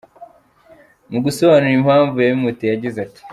Mu gusobanura impamvu yabimuteye yagize ati: .